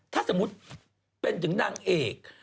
ถ้าสมมุติเป็นถึงนางเอก